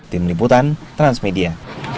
tim liputan transmedia